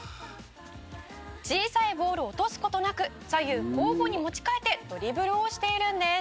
「小さいボールを落とす事なく左右交互に持ち替えてドリブルをしているんです」